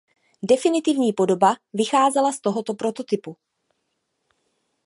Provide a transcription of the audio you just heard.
Definitivní podoba vycházela z tohoto prototypu.